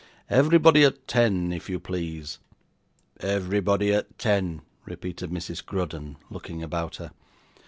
Everybody at ten, if you please.' 'Everybody at ten,' repeated Mrs. Grudden, looking about her.